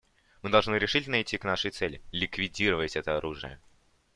Мы должны решительно идти к нашей цели — ликвидировать это оружие.